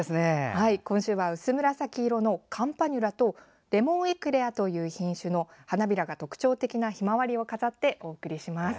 今週は薄紫色のカンパニュラとレモンエクレアという品種の花びらが特徴的なひまわりを飾ってお送りします。